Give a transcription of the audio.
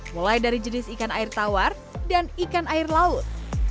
mulai dari jenis ikan air tawar dan ikan air laut